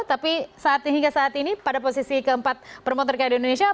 tapi hingga saat ini pada posisi keempat perempuan terkaya di indonesia